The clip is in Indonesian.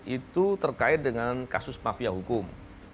itu terkait dengan kasus mafia hukum